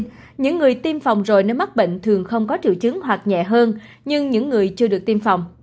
tuy nhiên những người tiêm phòng rồi nếu mắc bệnh thường không có triệu chứng hoặc nhẹ hơn nhưng những người chưa được tiêm phòng